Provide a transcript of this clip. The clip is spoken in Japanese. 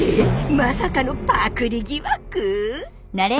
まさかのパクリ疑惑！？